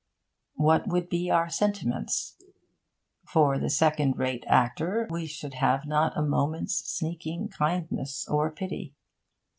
What would be our sentiments? For the second rate actor we should have not a moment's sneaking kindness or pity.